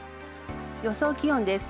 予想気温です。